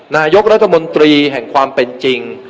นายกรัฐมนตรีแห่งความเป็นจริง